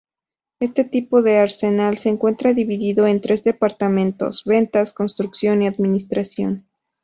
Este tipo de arsenal se encuentra dividido en tres departamentos: ventas, construcción y administración.